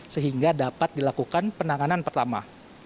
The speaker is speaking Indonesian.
sehingga dapat dilakukan penanganan pertama